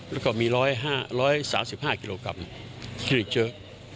แล้วก็มี๑๓๕กิโลกรัมฮิลลิเจอร์